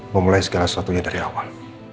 memulai segala sesuatunya dari awal